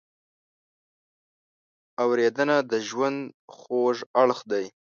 اورېدنه د ژوند خوږ اړخ دی.